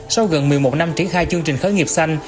sau gần một mươi một năm triển khai chương trình khởi nghiệp xanh